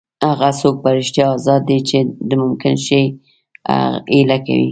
هغه څوک په رښتیا ازاد دی چې د ممکن شي هیله کوي.